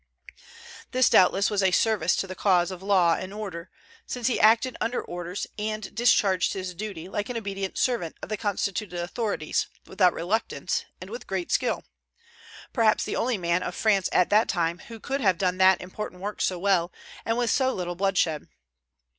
This, doubtless, was a service to the cause of law and order, since he acted under orders, and discharged his duty, like an obedient servant of the constituted authorities, without reluctance, and with great skill, perhaps the only man of France, at that time, who could have done that important work so well, and with so little bloodshed.